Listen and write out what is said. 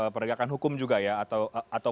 penegakan hukum juga ya atau